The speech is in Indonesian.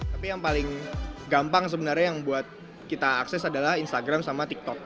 tapi yang paling gampang sebenarnya yang buat kita akses adalah instagram sama tiktok